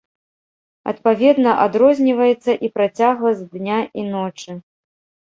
Адпаведна адрозніваецца і працягласць дня і ночы.